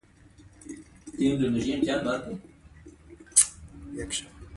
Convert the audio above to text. د خپلــــــو وسائیلـــــــو د اختیار نه بې خبره